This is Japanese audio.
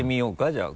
じゃあ。